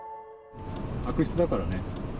悪質だからね。